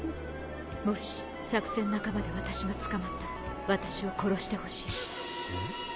もし作戦半ばで私が捕まったら私を殺してほしい。え？